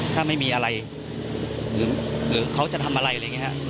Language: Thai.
ถ้าไม่มีอะไรหรือเขาจะทำอะไรอะไรอย่างนี้ฮะ